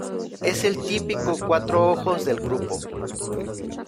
Es el típico cuatro-ojos del grupo.